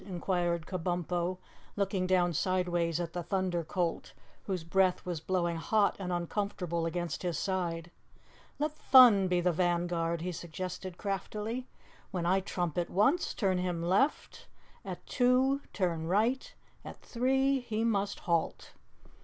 inquired Kabumpo, looking down sideways at the Thunder Colt, whose breath was blowing hot and uncomfortable against his side. "Let Thun be the vanguard," he suggested craftily. "When I trumpet once, turn him left; at two, turn right; at three, he must halt."